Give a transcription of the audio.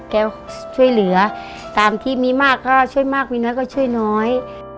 ช่วยเหลือตามที่มีมากก็ช่วยมากมีน้อยก็ช่วยน้อย